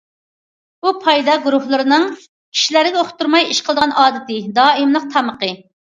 بۇ پايدا گۇرۇھلىرىنىڭ كىشىلەرگە ئۇقتۇرماي ئىش قىلىدىغان ئادىتى، دائىملىق تامىقى.